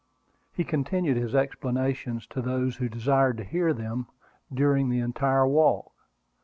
He continued his explanations to those who desired to hear them during the entire walk.